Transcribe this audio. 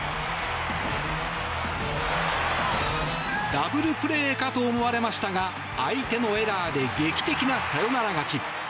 ダブルプレーかと思われましたが相手のエラーで劇的なサヨナラ勝ち。